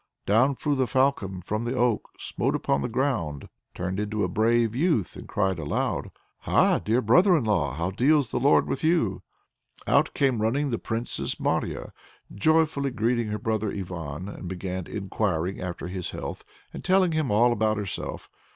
Down flew the Falcon from the oak, smote upon the ground, turned into a brave youth and cried aloud: "Ha, dear brother in law! how deals the Lord with you?" Out came running the Princess Marya, joyfully greeted her brother Ivan, and began enquiring after his health, and telling him all about herself.